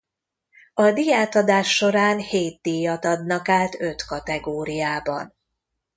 A díjátadás során hét díjat adnak át öt kategóriában.